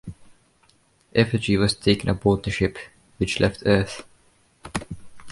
Effigy was taken aboard the ship, which left Earth.